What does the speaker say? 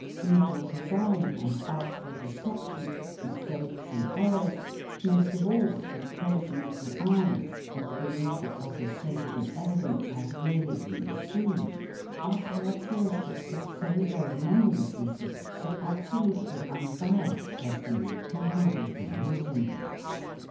Evil design and artful deception, mistakes and errors, most of all the closing of the eyes and the belief that what is stated in evidence. has really been seen, are characteristics of so very many witnesses, that absolutely unbiassed testimony can hardly be imagined.